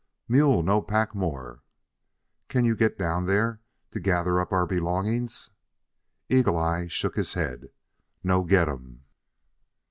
"Mule no pack more." "Can you get down there to gather up our belongings?" Eagle eye shook his head. "No get um."